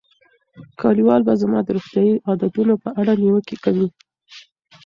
کلیوال به زما د روغتیايي عادتونو په اړه نیوکې کوي.